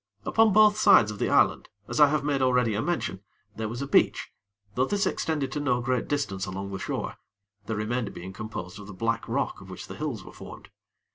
Upon both sides of the island, as I have made already a mention, there was a beach, though this extended no great distance along the shore, the remainder being composed of the black rock of which the hills were formed.